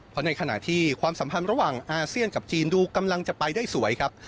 เพราะในขณะที่ความสัมพันธ์ระหว่างอาเซียนกับจีนดูกำลังจะไปได้สวยครับ